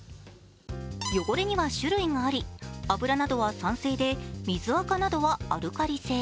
汚れには種類があり油などは酸性で水あかなどはアルカリ性。